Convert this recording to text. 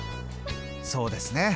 そうですね。